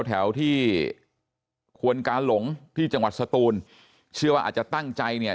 แถวที่ควนกาหลงที่จังหวัดสตูนเชื่อว่าอาจจะตั้งใจเนี่ย